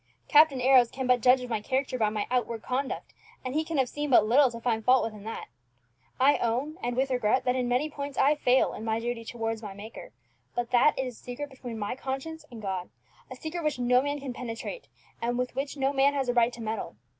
"Captain Arrows can but judge of my character by my outward conduct, and he can have seen but little to find fault with in that. I own and with regret that in many points I fail in my duty towards my Maker; but that is a secret between my conscience and God, a secret which no man can penetrate, and with which no man has a right to meddle.